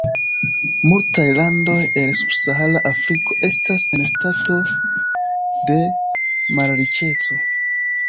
Multaj landoj el subsahara Afriko estas en stato de malriĉeco.